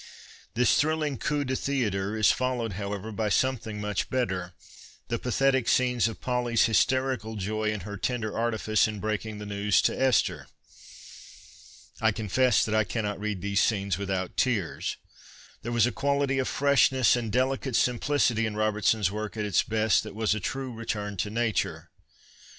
This thrilling coitp de theatre is followed, however, by something much better, the pathetic scenes of Polly's hysterical joy and her tender artifice in breaking the news to Esther. I confess that I cannot read these scenes without tears. There was a quality of freshness and delicate simplicity in Robertsons work at its best that was a true " return to nature."